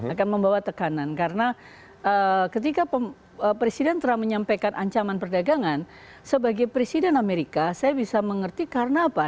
akan membawa tekanan karena ketika presiden trump menyampaikan ancaman perdagangan sebagai presiden amerika saya bisa mengerti karena apa